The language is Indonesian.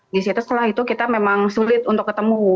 di situ setelah itu kita memang sulit untuk ketemu